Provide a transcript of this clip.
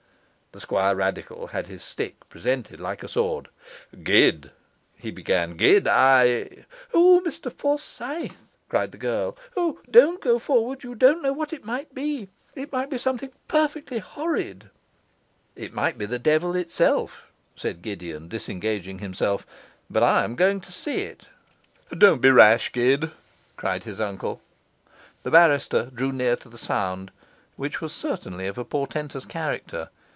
The Squirradical had his stick presented like a sword. 'Gid,' he began, 'Gid, I ' 'O Mr Forsyth!' cried the girl. 'O don't go forward, you don't know what it might be it might be something perfectly horrid.' 'It may be the devil itself,' said Gideon, disengaging himself, 'but I am going to see it.' 'Don't be rash, Gid,' cried his uncle. The barrister drew near to the sound, which was certainly of a portentous character.